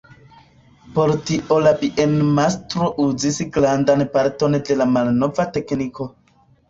Por tio la bienmastro uzis grandan parton de malnova tekniko.